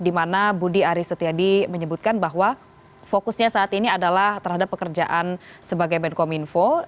di mana budi aris setiadi menyebutkan bahwa fokusnya saat ini adalah terhadap pekerjaan sebagai menkominfo